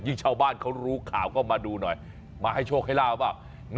ยิ่งชาวบ้านเขารู้ข่าวก็มาดูหน่อยมาให้โชคให้เล่าขอบ